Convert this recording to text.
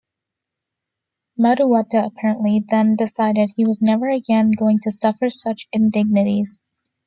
Madduwatta, apparently, then decided he was never again going to suffer such indignities.